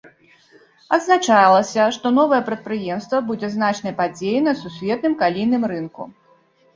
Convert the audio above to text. Адзначалася, што новае прадпрыемства будзе значнай падзеяй на сусветным калійным рынку.